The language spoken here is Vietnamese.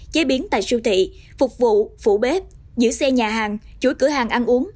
chế biến tại siêu thị phục vụ phủ bếp giữ xe nhà hàng chuỗi cửa hàng ăn uống